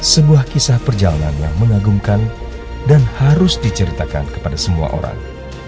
sebuah kisah perjalanan yang mengagumkan dan harus diceritakan kepada semua orang